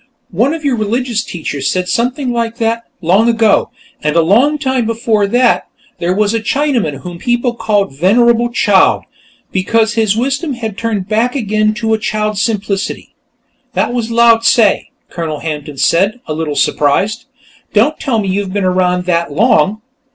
One of your religious teachers said something like that, long ago, and a long time before that, there was a Chinaman whom people called Venerable Child, because his wisdom had turned back again to a child's simplicity." "That was Lao Tze," Colonel Hampton said, a little surprised. "Don't tell me you've been around that long."